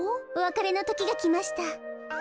おわかれのときがきました。